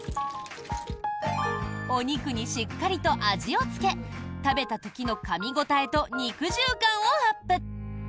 お肉にしっかりと味をつけ食べた時のかみ応えと肉汁感をアップ！